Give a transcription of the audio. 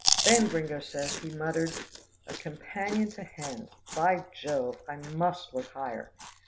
Then, Gringo says, he muttered, "A companion to hens by Jove! I must look higher."